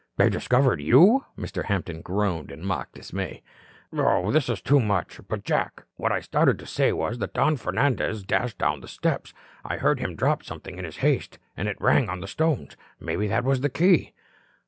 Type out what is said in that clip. "They discovered you?" Mr. Hampton groaned in mock dismay. "Oh, this is too much. But, Jack, what I started to say was that as Don Fernandez dashed down the steps, I heard him drop something in his haste that rang on the stones. Maybe that was the key."